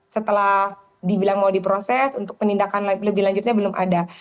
setelah dibilang mau diproses untuk penindakan lebih lanjutnya belum ada